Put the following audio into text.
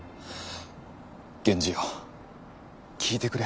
源氏よ聞いてくれ。